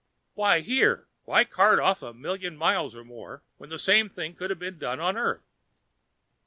"Why here, why cart off a million miles or more when the same thing could have been done on Earth?"